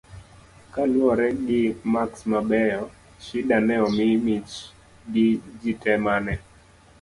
kaluwore gi maks mabeyo, Shida ne omi mich gi ji te mane